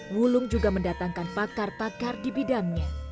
wulung juga mendatangkan pakar pakar di bidangnya